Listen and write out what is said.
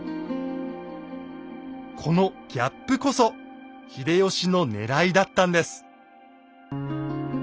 このギャップこそ秀吉のねらいだったんです。